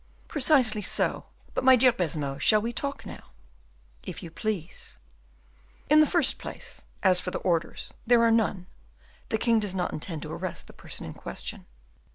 "Precisely so. But, my dear Baisemeaux, shall we talk now?" "If you please." "In the first place, as for the orders there are none. The king does not intend to arrest the person in question.